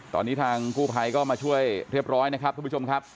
ตอนนี้ทางกู้ภัยก็มาช่วยเรียบร้อยนะครับทุกผู้ชมครับ